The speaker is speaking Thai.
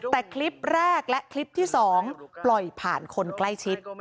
แต่คลิปแรกและคลิปที่๒ปล่อยผ่านคนใกล้ชิด